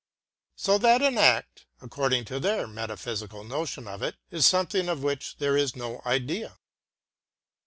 So that an act, according to their metaphysical notion of it, is something of which there is no idea....